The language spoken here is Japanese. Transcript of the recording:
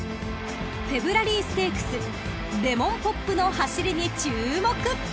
［フェブラリーステークスレモンポップの走りに注目！］